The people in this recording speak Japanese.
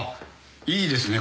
いいですね。